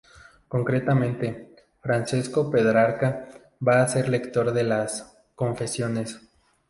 Concretamente, Francesco Petrarca va a ser lector de las "Confesiones".